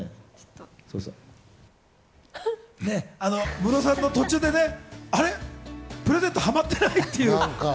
ムロさんの途中で、あれプレゼント、はまってないっていう。